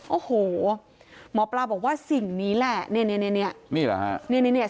โอ้โหหมอปลาบอกว่าสิ่งนี้แหละเนี้ยเนี้ยเนี้ย